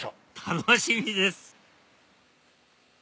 楽しみです！